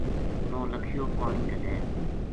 نولکھیو پانی گھلے